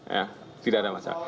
ya tidak ada masalah